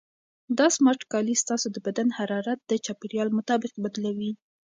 دا سمارټ کالي ستاسو د بدن حرارت د چاپیریال مطابق بدلوي.